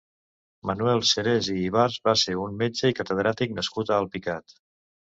Manuel Serés i Ibars va ser un metge i catedràtic nascut a Alpicat.